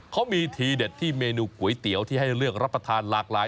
เขามีทีเด็ดที่เมนูก๋วยเตี๋ยวที่ให้เลือกรับประทานหลากหลาย